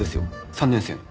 ３年生の。